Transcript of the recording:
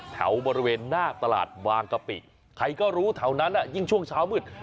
แถวบริเวณหน้าตลาดบางกะปิใครก็รู้แถวนั้นยิ่งช่วงเช้ามืด